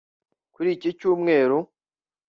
kuri iki cyumweru